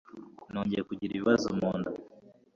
Nongeye kugira ibibazo mu nda.